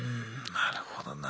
なるほどな。